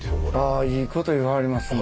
あいいこと言わはりますね。